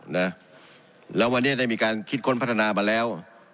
นะแล้ววันนี้ได้มีการคิดค้นพัฒนามาแล้ว